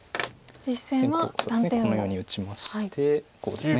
実戦このように打ちましてこうです。